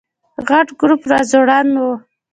غټ ګروپ راځوړند و.